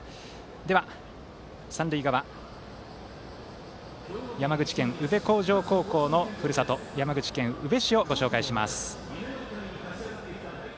では三塁側、山口県宇部鴻城高校のふるさと山口県宇部市を、ご紹介します。